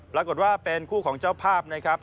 ปรากฏว่าเป็นคู่ของเจ้าภาพนะครับ